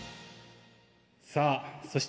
さあそして